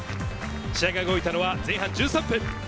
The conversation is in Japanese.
試合が動いたのは前半１３分。